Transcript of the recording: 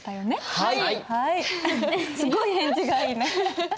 はいすごい返事がいいね。